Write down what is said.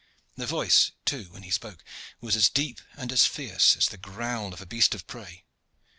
The voice, too, when he spoke, was as deep and as fierce as the growl of a beast of prey.